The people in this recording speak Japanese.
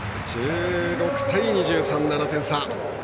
１６対２３、７点差。